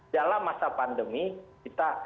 dalam masa pandemi kita